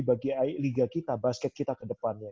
bagi liga kita basket kita ke depannya